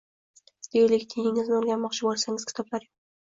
Deylik, diningizni o‘rganmoqchi bo‘lsangiz, kitoblar yo‘q edi.